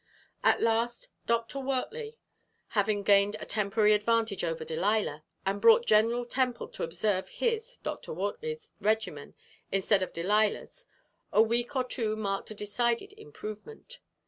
At last Dr. Wortley, having gained a temporary advantage over Delilah, and brought General Temple to observe his (Dr. Wortley's) regimen, instead of Delilah's, a week or two marked a decided improvement.